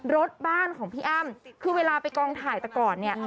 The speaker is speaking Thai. รถบ้านของพี่อ้ำคือเวลาไปกองถ่ายแต่ก่อนเนี่ย